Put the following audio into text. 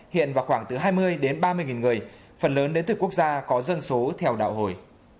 hiện vào khoảng từ hai mươi đến ba mươi người phần lớn đến từ quốc gia có dân số theo đạo hồi